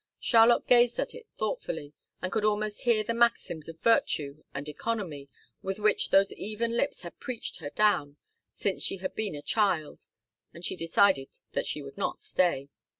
Charlotte gazed at it thoughtfully, and could almost hear the maxims of virtue and economy with which those even lips had preached her down since she had been a child, and she decided that she would not stay.